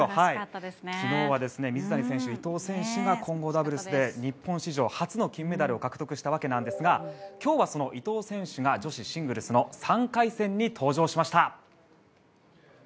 昨日、水谷選手と伊藤選手が混合ダブルスで日本史上初の金メダルを獲得したわけですが今日は、その伊藤選手が女子シングルスの３回戦に登場しました。